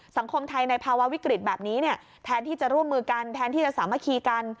สังคมไทยในภาวะวิกฤตแบบนี้เนี่ยแทนที่จะร่วมมือกันแทนที่จะสามัคคีกัน